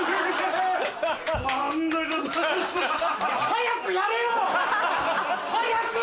早くやれよ！早く！